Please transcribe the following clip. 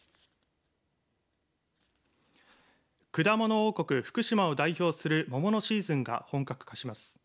果物王国、福島を代表するモモのシーズンが本格化します。